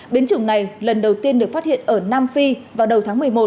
biến chủng này lần đầu tiên được phát hiện ở nam phi vào đầu tháng một mươi một